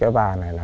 học như là